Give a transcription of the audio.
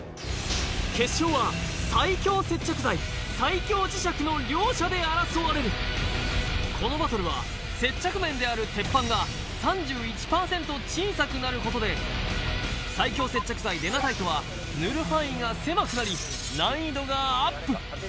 決勝は最強接着剤最強磁石の両者で争われるこのバトルは接着面である鉄板が３１％小さくなることで最強接着剤デナタイトは塗る範囲が狭くなり難易度がアップ